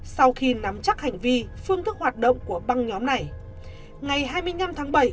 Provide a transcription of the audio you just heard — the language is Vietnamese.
sau khi nắm chắc hành vi phương thức hoạt động của băng nhóm này ngày hai mươi năm tháng bảy